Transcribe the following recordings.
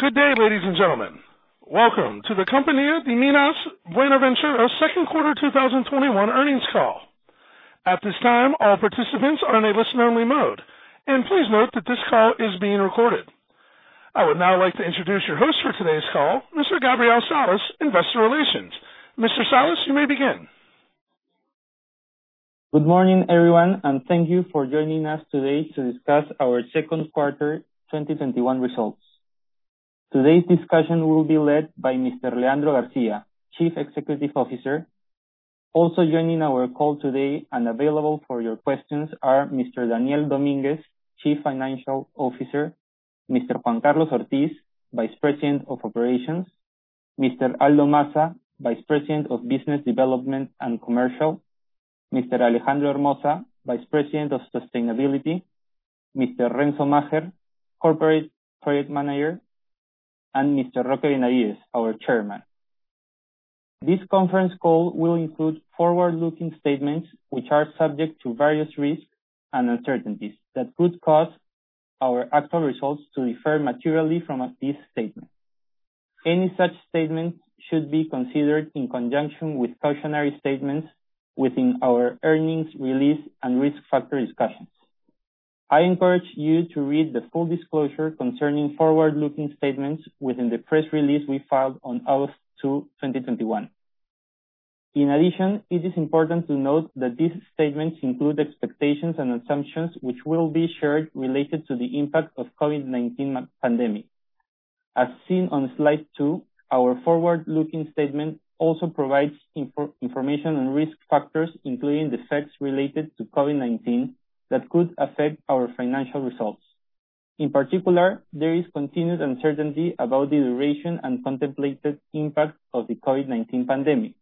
Good day, ladies and gentlemen. Welcome to the Compañía de Minas Buenaventura second quarter 2021 earnings call. At this time, all participants are in a listen-only mode. Please note that this call is being recorded. I would now like to introduce your host for today's call, Mr. Gabriel Salas, Investor Relations. Mr. Salas, you may begin. Good morning, everyone, and thank you for joining us today to discuss our second quarter 2021 results. Today's discussion will be led by Mr. Leandro García, Chief Executive Officer. Also joining our call today and available for your questions are Mr. Daniel Domínguez, Chief Financial Officer, Mr. Juan Carlos Ortiz, Vice President of Operations, Mr. Aldo Massa, Vice President of Business Development and Commercial, Mr. Alejandro Hermoza, Vice President of Sustainability, Mr. Renzo Macher, Corporate Project Manager, and Mr. Roque Benavides, our Chairman. This conference call will include forward-looking statements, which are subject to various risks and uncertainties that could cause our actual results to differ materially from these statements. Any such statements should be considered in conjunction with cautionary statements within our earnings release and risk factor discussions. I encourage you to read the full disclosure concerning forward-looking statements within the press release we filed on August 2nd, 2021. In addition, it is important to note that these statements include expectations and assumptions which will be shared related to the impact of COVID-19 pandemic. As seen on slide two, our forward-looking statement also provides information on risk factors, including the effects related to COVID-19, that could affect our financial results. In particular, there is continued uncertainty about the duration and contemplated impact of the COVID-19 pandemic.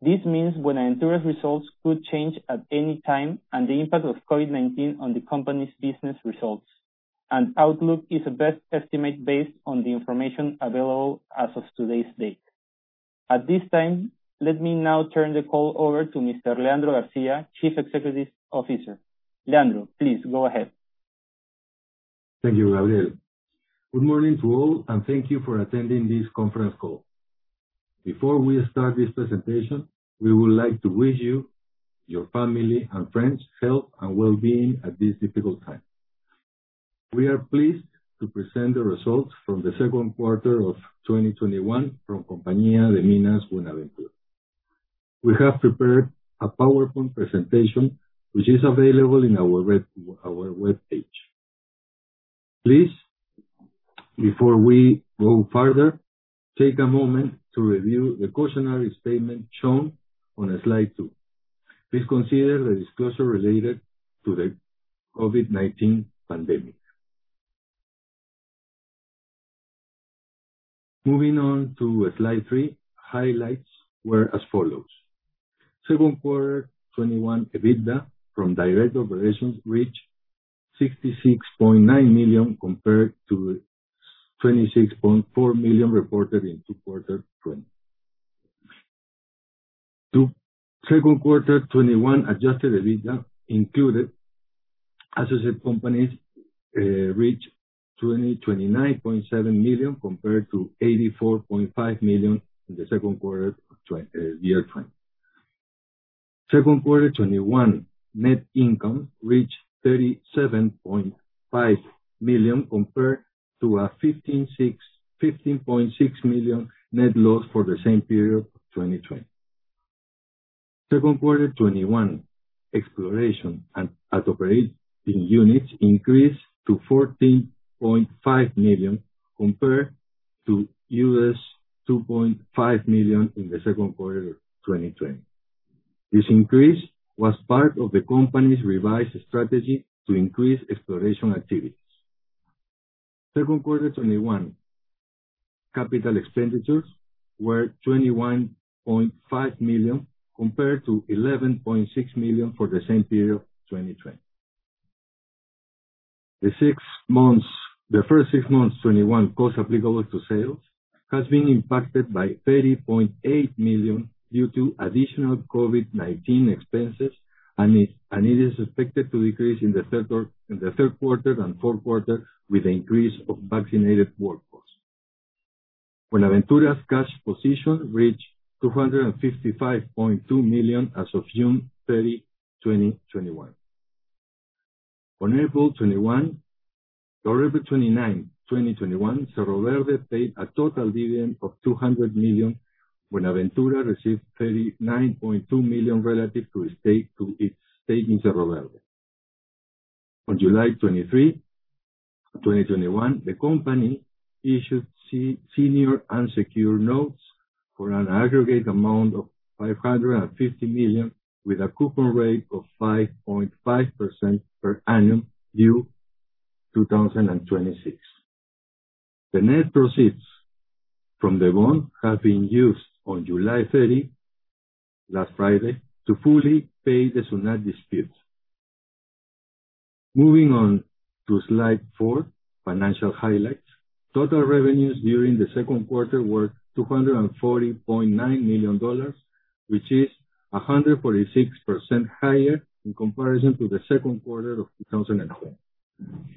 This means Buenaventura results could change at any time, and the impact of COVID-19 on the company's business results and outlook is a best estimate based on the information available as of today's date. At this time, let me now turn the call over to Mr. Leandro García, Chief Executive Officer. Leandro, please go ahead. Thank you, Gabriel. Good morning to all, and thank you for attending this conference call. Before we start this presentation, we would like to wish you, your family, and friends health and wellbeing at this difficult time. We are pleased to present the results from the second quarter of 2021 from Compañía de Minas Buenaventura. We have prepared a PowerPoint presentation which is available on our webpage. Please, before we go further, take a moment to review the cautionary statement shown on slide two. Please consider the disclosure related to the COVID-19 pandemic. Moving on to slide three, highlights were as follows. Second quarter 2021 EBITDA from direct operations reached $66.9 million compared to $26.4 million reported in Q2 2020. Two. Second quarter 2021 adjusted EBITDA included associate companies reached $29.7 million compared to $84.5 million in the second quarter of 2020. Second quarter 2021 net income reached $37.5 million compared to a $15.6 million net loss for the same period of 2020. Second quarter 2021 exploration and operating units increased to $14.5 million compared to $2.5 million in the second quarter of 2020. This increase was part of the company's revised strategy to increase exploration activities. Second quarter 2021 CapEx were $21.5 million compared to $11.6 million for the same period of 2020. The first six months 2021 cost applicable to sales has been impacted by $30.8 million due to additional COVID-19 expenses, and it is expected to decrease in the third quarter and fourth quarter with the increase of vaccinated workforce. Buenaventura's cash position reached $255.2 million as of June 30, 2021. On April 29, 2021, Cerro Verde paid a total dividend of $200 million. Buenaventura received $39.2 million relative to its stake in Cerro Verde. On July 23, 2021, the company issued senior unsecured notes for an aggregate amount of $550 million, with a coupon rate of 5.5% per annum due 2026. The net proceeds from the bond have been used on July 30, last Friday, to fully pay the SUNAT dispute. Moving on to slide four, financial highlights. Total revenues during the second quarter were $240.9 million, which is 146% higher in comparison to the second quarter of 2020.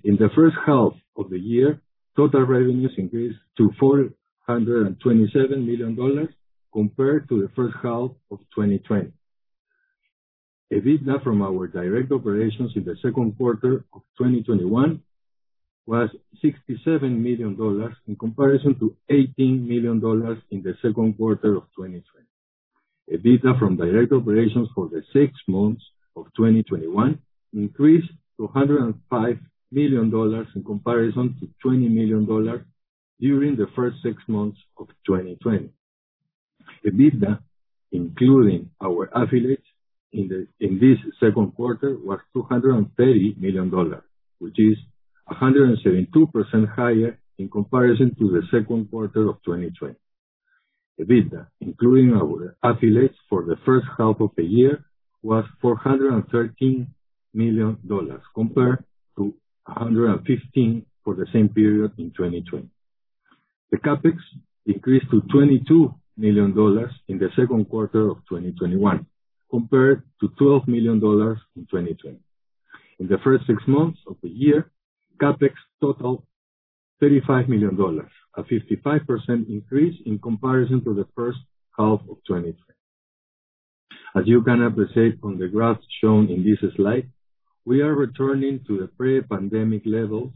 In the first half of the year, total revenues increased to $427 million compared to the first half of 2020. EBITDA from our direct operations in the second quarter of 2021 was $67 million, in comparison to $18 million in the second quarter of 2020. EBITDA from direct operations for the six months of 2021 increased to $105 million, in comparison to $20 million during the first six months of 2020. EBITDA, including our affiliates in this second quarter, was $230 million, which is 172% higher in comparison to the second quarter of 2020. EBITDA, including our affiliates for the first half of the year, was $413 million, compared to $115 for the same period in 2020. The CapEx increased to $22 million in the second quarter of 2021, compared to $12 million in 2020. In the first six months of the year, CapEx totaled $35 million, a 55% increase in comparison to the first half of 2020. As you can appreciate from the graphs shown in this slide, we are returning to the pre-pandemic levels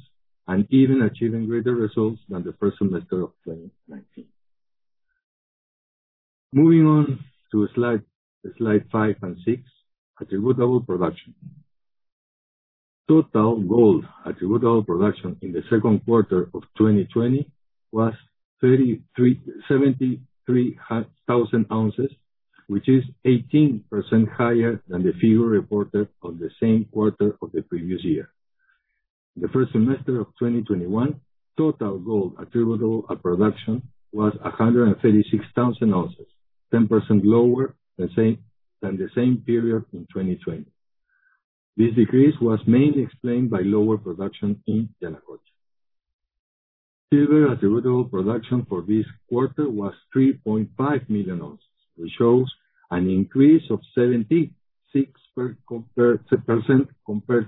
and even achieving greater results than the first semester of 2019. Moving on to slide five and six, attributable production. Total gold attributable production in the second quarter of 2020 was 73,000 oz, which is 18% higher than the figure reported on the same quarter of the previous year. The first semester of 2021, total gold attributable production was 136,000 oz, 10% lower than the same period in 2020. This decrease was mainly explained by lower production in Yanacocha. Silver attributable production for this quarter was 3.5 million oz, which shows an increase of 76% compared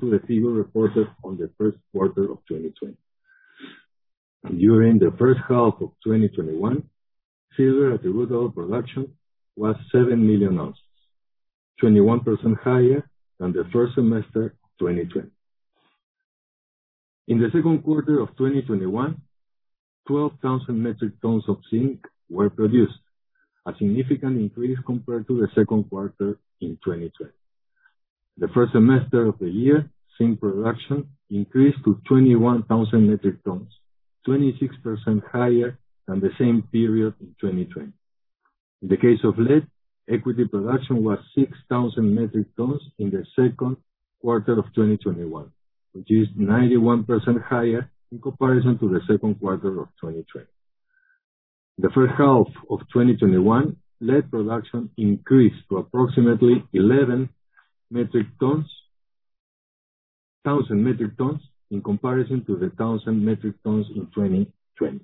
to the figure reported on the first quarter of 2020. During the first half of 2021, silver attributable production was 7 million oz, 21% higher than the first semester of 2020. In the second quarter of 2021, 12,000 metric tons of zinc were produced, a significant increase compared to the second quarter in 2020. The first semester of the year, zinc production increased to 21,000 metric tons, 26% higher than the same period in 2020. In the case of lead, equity production was 6,000 metric tons in the second quarter of 2021, which is 91% higher in comparison to the second quarter of 2020. The first half of 2021, lead production increased to approximately 11,000 metric tons, in comparison to the 1,000 metric tons in 2020.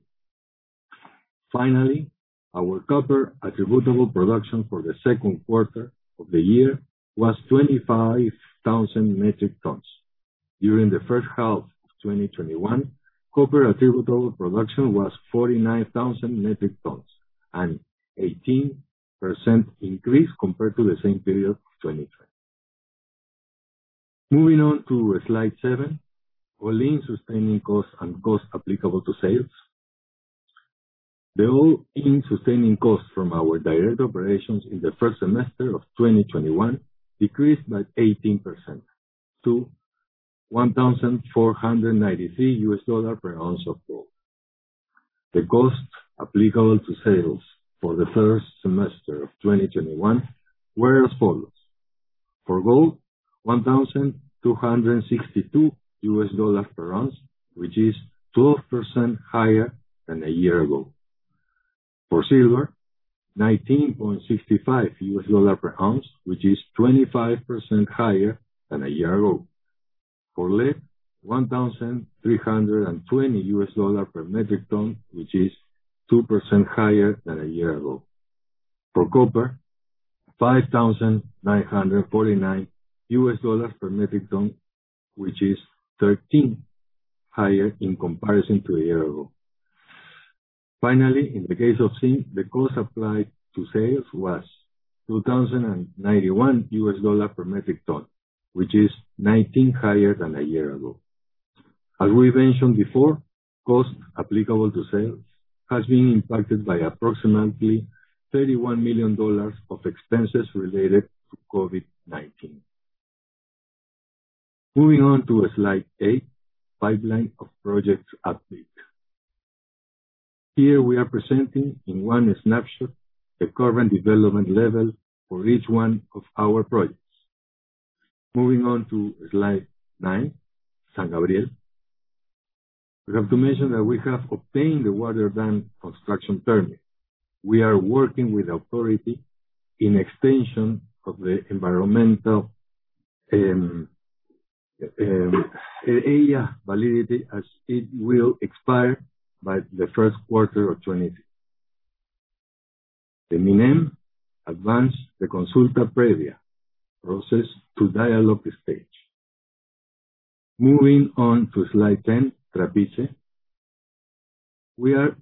Finally, our copper attributable production for the second quarter of the year was 25,000 metric tons. During the first half of 2021, copper attributable production was 49,000 metric tons, an 18% increase compared to the same period of 2020. Moving on to slide seven, all-in sustaining cost and cost applicable to sales. The all-in sustaining cost from our direct operations in the first semester of 2021 decreased by 18% to $1,493 per ounce of gold. The cost applicable to sales for the 1st semester of 2021 were as follows. For gold, $1,262 per ounce, which is 12% higher than a year ago. For silver, $19.65 per ounce, which is 25% higher than a year ago. For lead, $1,320 per metric ton, which is 2% higher than a year ago. For copper, $5,949 per metric ton, which is 13% higher in comparison to a year ago. Finally, in the case of zinc, the cost applicable to sales was $2,091 per metric ton, which is 19% higher than a year ago. As we mentioned before, cost applicable to sales has been impacted by approximately $31 million of expenses related to COVID-19. Moving on to slide eight, pipeline of projects update. Here we are presenting in one snapshot the current development level for each one of our projects. Moving on to slide nine, San Gabriel. We have to mention that we have obtained the water dam construction permit. We are working with authority in extension of the environmental EIA validity as it will expire by the first quarter of 2023. The MINEM advanced the consulta previa process to dialogue stage. Moving on to slide 10, Trapiche. We are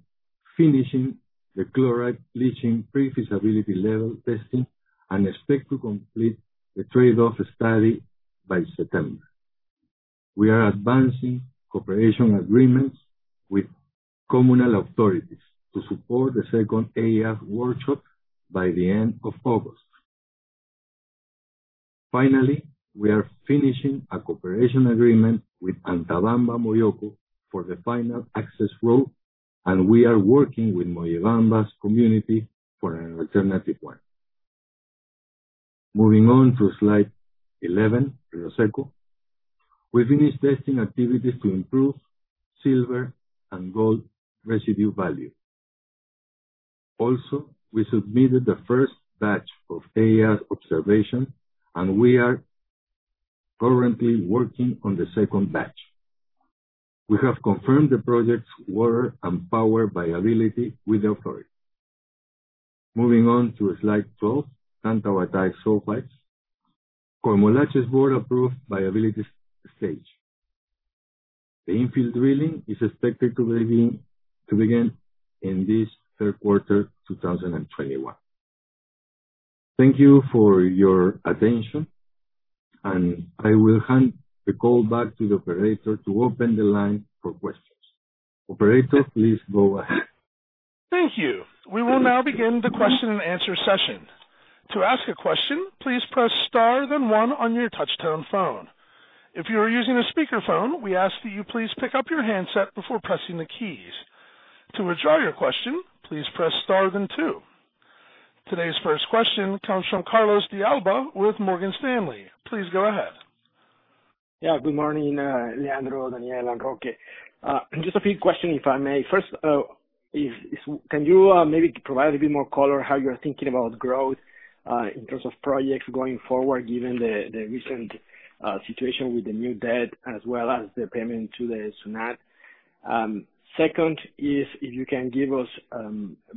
finishing the chloride leaching pre-feasibility level testing and expect to complete the trade-off study by September. We are advancing cooperation agreements with communal authorities to support the second EIA workshop by the end of August. Finally, we are finishing a cooperation agreement with Antabamba Moyoco for the final access road, and we are working with Mollebamba's community for an alternative one. Moving on to slide 11, Río Seco. We finished testing activities to improve silver and gold residue value. We submitted the first batch of EIA observation, and we are currently working on the second batch. We have confirmed the project's water and power viability with authority. Moving on to slide 12, Tantahuatay sulfides. Compañía Minera Coimolache's board approved viability stage. The infill drilling is expected to begin in this third quarter 2021. Thank you for your attention. I will hand the call back to the operator to open the line for questions. Operator, please go ahead. Thank you. We will now begin the question and answer session. To ask your question, please press star then one on your touchtone phone. If you are usinga speakerphone, we ask that you please pick up your handset before pressing the keys. To withdraw your question, please press star the two. Today's first question comes from Carlos de Alba with Morgan Stanley. Please go ahead. Yeah. Good morning, Leandro, Daniel, and Roque. Just a few question, if I may. First, can you maybe provide a bit more color how you're thinking about growth, in terms of projects going forward, given the recent situation with the new debt as well as the payment to the SUNAT? Second is, if you can give us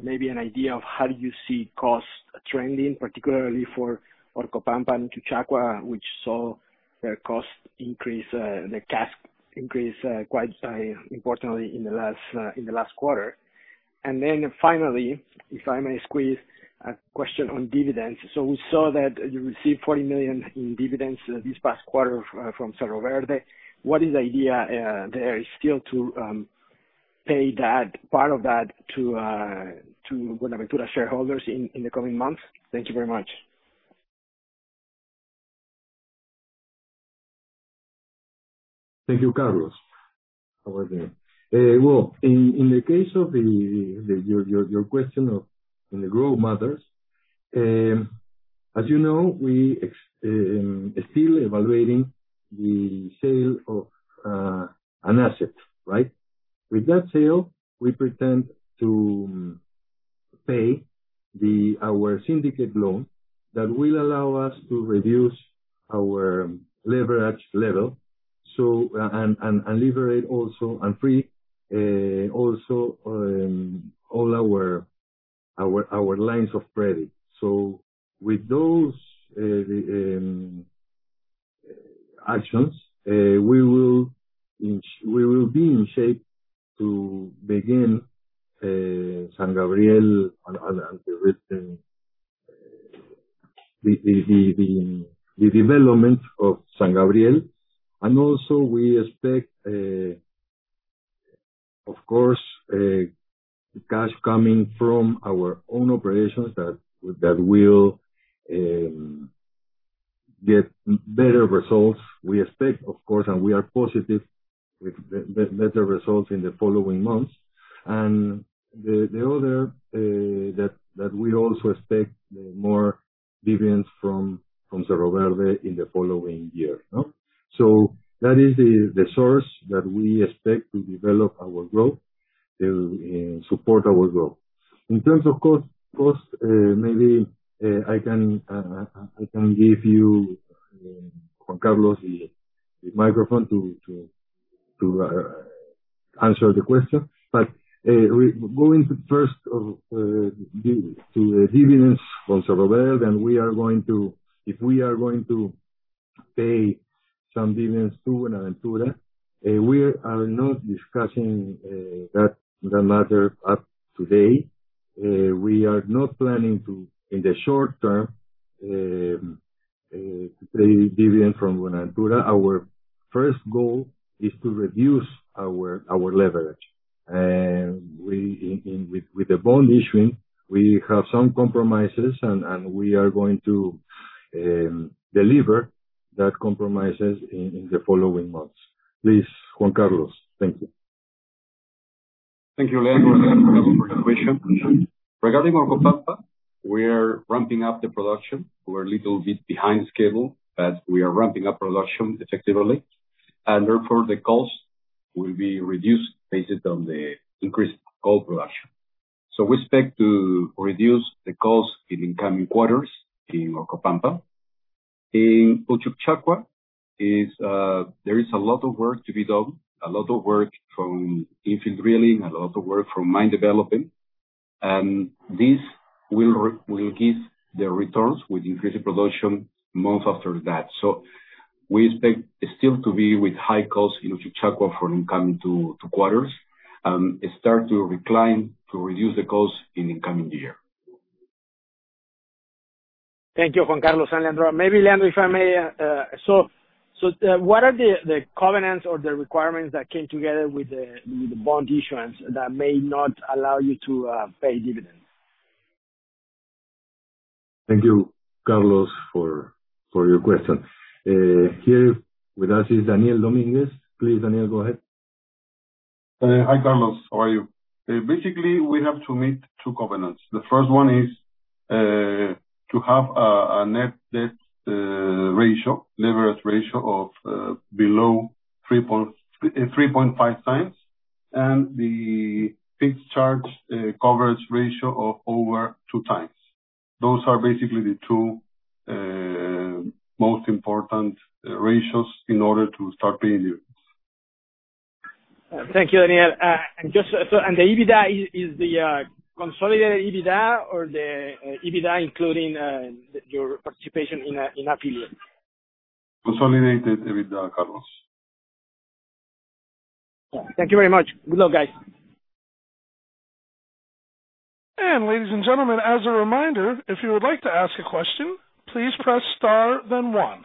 maybe an idea of how you see cost trending, particularly for Orcopampa and Uchucchacua, which saw their cost increase, the cash increase, quite importantly in the last quarter. Finally, if I may squeeze a question on dividends. We saw that you received $40 million in dividends this past quarter from Cerro Verde. What is the idea there still to pay part of that to Buenaventura shareholders in the coming months? Thank you very much. Thank you, Carlos. How are you? Well, in the case of your question in the growth matters, as you know, we are still evaluating the sale of an asset, right? With that sale, we pretend to pay our syndicate loan that will allow us to reduce our leverage level and liberate also, and free also all our lines of credit. With those actions, we will be in shape to begin San Gabriel and the development of San Gabriel. Also we expect, of course, cash coming from our own operations that will get better results. We expect, of course, and we are positive with better results in the following months. The other, that we also expect more dividends from Cerro Verde in the following year. That is the source that we expect to develop our growth, to support our growth. In terms of cost, maybe I can give you, Juan Carlos, the microphone to answer the question. Going to first of the dividends from Cerro Verde, if we are going to pay some dividends to Buenaventura, we are not discussing that matter up today. We are not planning to, in the short term, pay dividend from Buenaventura. Our first goal is to reduce our leverage. With the bond issuing, we have some compromises, and we are going to deliver that compromises in the following months. Please, Juan Carlos. Thank you. Thank you, Leandro, and thank you, Carlos, for the question. Regarding Orcopampa, we are ramping up the production. We're a little bit behind schedule. We are ramping up production effectively. Therefore the cost will be reduced based on the increased gold production. We expect to reduce the cost in the coming quarters in Orcopampa. In Uchucchacua, there is a lot of work to be done, a lot of work from infill drilling, a lot of work from mine development. This will give the returns with increased production months after that. We expect still to be with high costs in Uchucchacua for incoming two quarters, and start to recline to reduce the costs in the coming year. Thank you, Juan Carlos and Leandro. Maybe Leandro, if I may. What are the covenants or the requirements that came together with the bond issuance that may not allow you to pay dividends? Thank you, Carlos, for your question. Here with us is Daniel Domínguez. Please, Daniel, go ahead. Hi, Carlos. How are you? Basically, we have to meet two covenants. The first one is to have a net debt ratio, leverage ratio of below 3.5x, and the fixed charge coverage ratio of over 2x. Those are basically the two most important ratios in order to start paying dividends. Thank you, Daniel. The EBITDA, is it the consolidated EBITDA or the EBITDA including your participation in Appia? Consolidated EBITDA, Carlos. Thank you very much. Good luck, guys. Ladies and gentlemen, as a reminder, if you would like to ask a question, please press star one.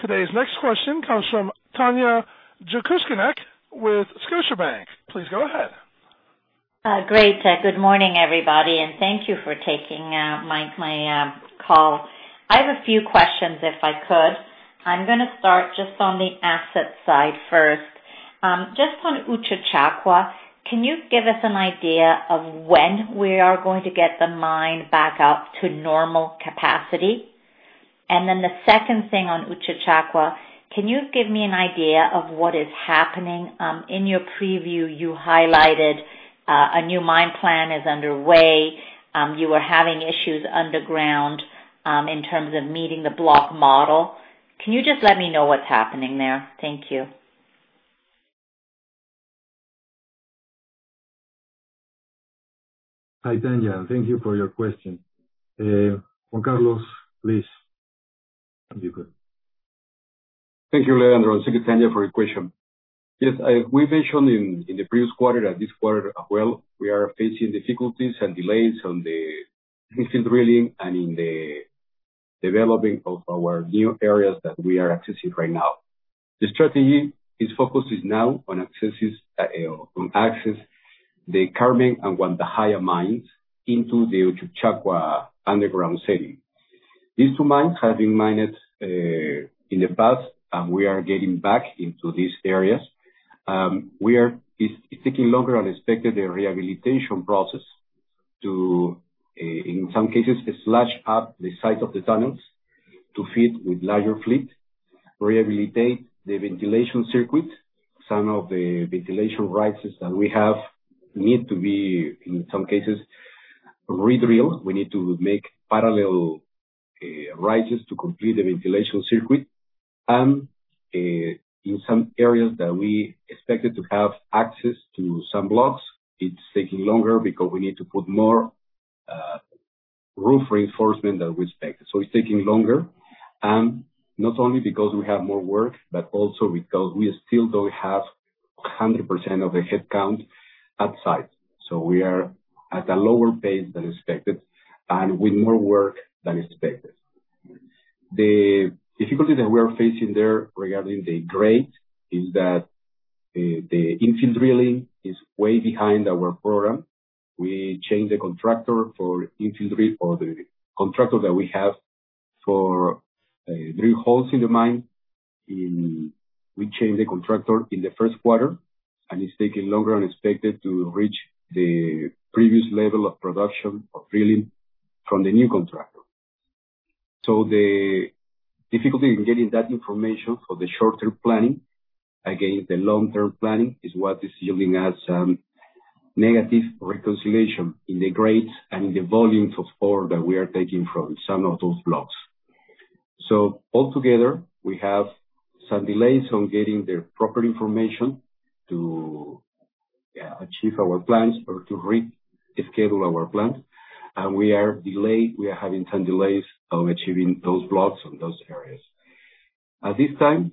Today's next question comes from Tanya Jakusconek with Scotiabank. Please go ahead. Great. Good morning, everybody. Thank you for taking my call. I have a few questions, if I could. I'm going to start just on the asset side first. Just on Uchucchacua, can you give us an idea of when we are going to get the mine back up to normal capacity? The second thing on Uchucchacua, can you give me an idea of what is happening? In your preview, you highlighted a new mine plan is underway. You were having issues underground in terms of meeting the block model. Can you just let me know what's happening there? Thank you. Hi, Tanya. Thank you for your question. Juan Carlos, please. You go. Thank you, Leandro. Thanks, Tanya, for your question. Yes, as we mentioned in the previous quarter, this quarter as well, we are facing difficulties and delays on the infill drilling and in the developing of our new areas that we are accessing right now. The strategy is focused now on access the Carmen and Huantajallaa mines into the Uchucchacua underground setting. These two mines have been mined in the past. We are getting back into these areas. It's taking longer than expected, the rehabilitation process to, in some cases, slash up the size of the tunnels to fit with larger fleet, rehabilitate the ventilation circuit. Some of the ventilation rises that we have need to be, in some cases, re-drilled. We need to make parallel rises to complete the ventilation circuit. In some areas that we expected to have access to some blocks, it's taking longer because we need to put more roof reinforcement than we expected. It's taking longer. Not only because we have more work, but also because we still don't have 100% of the headcount at site. We are at a lower pace than expected and with more work than expected. The difficulty that we are facing there regarding the grade is that the infill drilling is way behind our program. We changed the contractor for infill drilling, or the contractor that we have for drill holes in the mine. We changed the contractor in the first quarter, and it's taking longer than expected to reach the previous level of production of drilling from the new contractor. The difficulty in getting that information for the short-term planning, again, the long-term planning is what is giving us negative reconciliation in the grades and in the volumes of ore that we are taking from some of those blocks. Altogether, we have some delays on getting the proper information to achieve our plans or to re-schedule our plans. We are delayed. We are having some delays of achieving those blocks on those areas. At this time,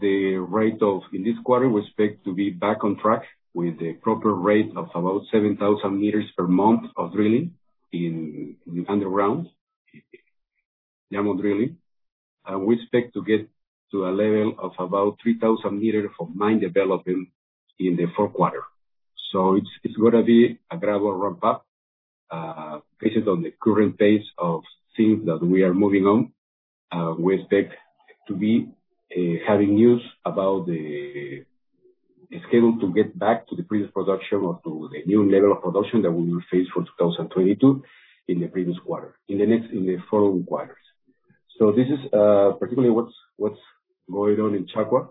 the rate of, in this quarter, we expect to be back on track with the proper rate of about 7,000 m per month of drilling in the underground, diamond drilling. We expect to get to a level of about 3,000 m of mine development in the fourth quarter. It's going to be a gradual ramp-up. Based on the current pace of things that we are moving on, we expect to be having news about the schedule to get back to the previous production or to the new level of production that we will face for 2022 in the previous quarter, in the following quarters. This is particularly what's going on in Uchucchacua.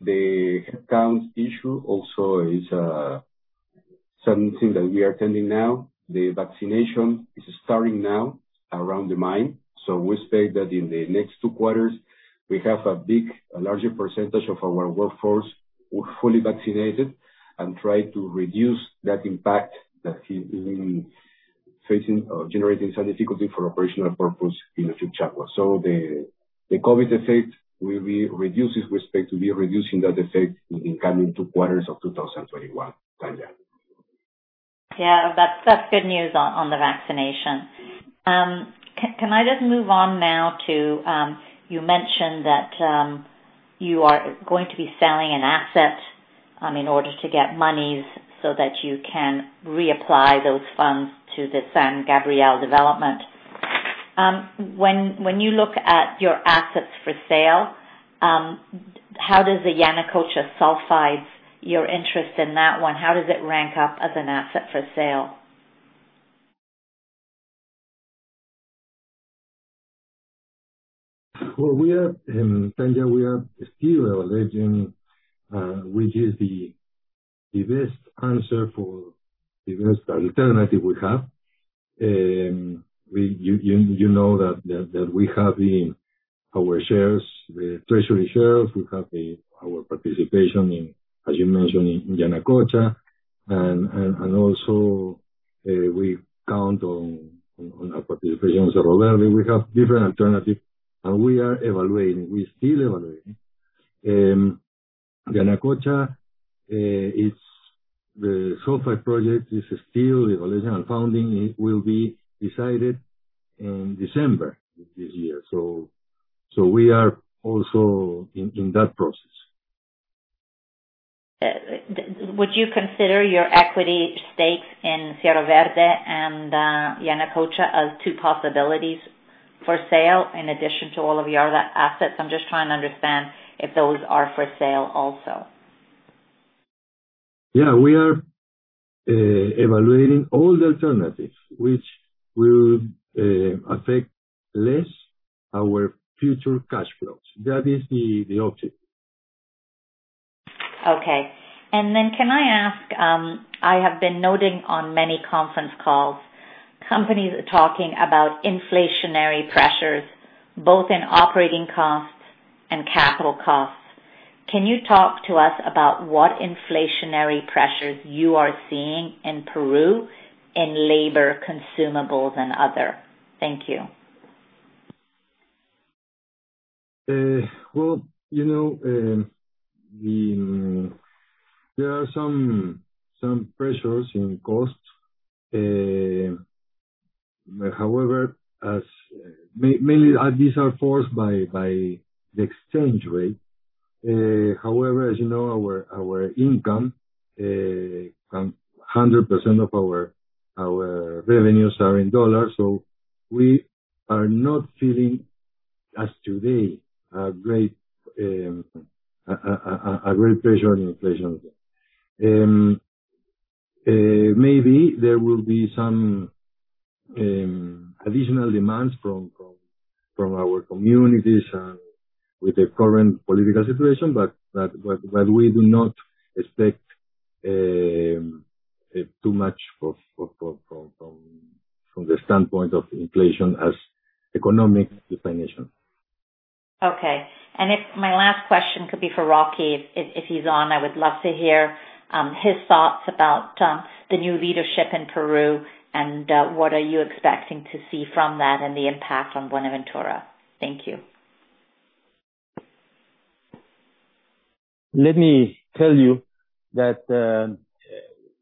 The headcount issue also is something that we are attending now. The vaccination is starting now around the mine. We expect that in the next two quarters, we have a larger percentage of our workforce fully vaccinated and try to reduce that impact that is facing or generating some difficulty for operational purpose in the future. The COVID effect, we will reduce it. We expect to be reducing that effect in coming two quarters of 2021. Tanya. Yeah. That's good news on the vaccination. Can I just move on now to, you mentioned that you are going to be selling an asset in order to get monies so that you can reapply those funds to the San Gabriel development. When you look at your assets for sale, how does the Yanacocha sulfides your interest in that one? How does it rank up as an asset for sale? Tanya, we are still evaluating which is the best answer for the best alternative we have. You know that we have in our treasury shares. We have our participation in, as you mentioned, in Yanacocha. Also, we count on our participation in Cerro Verde. We have different alternatives, and we are evaluating. We're still evaluating. Yanacocha, the sulfide project is still evaluation and funding. It will be decided in December this year. We are also in that process. Would you consider your equity stakes in Cerro Verde and Yanacocha as two possibilities for sale in addition to all of your other assets? I'm just trying to understand if those are for sale also. Yeah. We are evaluating all the alternatives which will affect less our future cash flows. That is the objective. Okay. Can I ask, I have been noting on many conference calls, companies are talking about inflationary pressures, both in operating costs and capital costs. Can you talk to us about what inflationary pressures you are seeing in Peru in labor consumables and other? Thank you. Well, there are some pressures in costs. Mainly, these are forced by the exchange rate. However, as you know, our income, 100% of our revenues are in dollars, so we are not feeling, as today, a great pressure on inflation. Maybe there will be some additional demands from our communities and with the current political situation, but we do not expect too much from the standpoint of inflation as economic definition. Okay. If my last question could be for Roque Benavides, if he's on, I would love to hear his thoughts about the new leadership in Peru and what are you expecting to see from that and the impact on Buenaventura. Thank you. Let me tell you that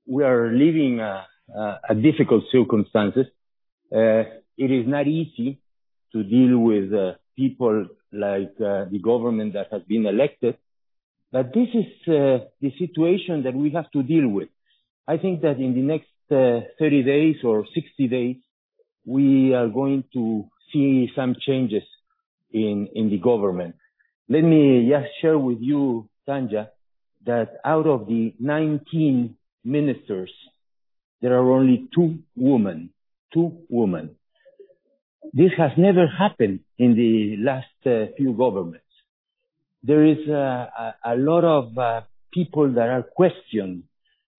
we are living a difficult circumstances. It is not easy to deal with people like the government that has been elected. This is the situation that we have to deal with. I think that in the next 30 days or 60 days, we are going to see some changes in the government. Let me just share with you, Tanya, that out of the 19 ministers, there are only two women. Two women. This has never happened in the last few governments. There is a lot of people that are questioned,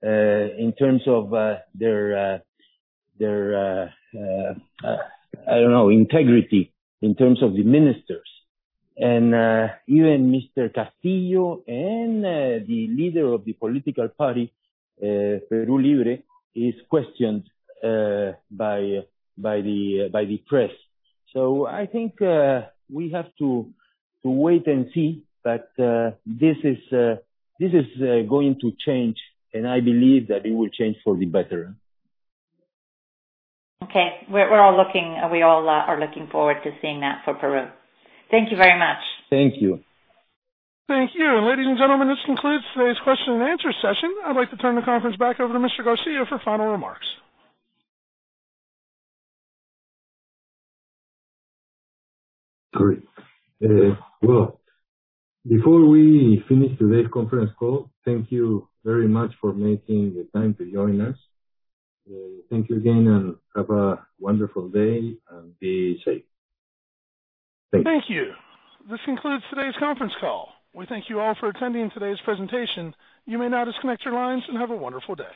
in terms of their, I don't know, integrity, in terms of the ministers. Even Mr. Castillo and the leader of the political party, Perú Libre, is questioned by the press. I think we have to wait and see, but this is going to change, and I believe that it will change for the better. Okay. We all are looking forward to seeing that for Peru. Thank you very much. Thank you. Thank you. Ladies and gentlemen, this concludes today's question and answer session. I'd like to turn the conference back over to Mr. Garcia for final remarks. Great. Well, before we finish today's conference call, thank you very much for making the time to join us. Thank you again, and have a wonderful day, and be safe. Thanks. Thank you. This concludes today's conference call. We thank you all for attending today's presentation. You may now disconnect your lines, and have a wonderful day.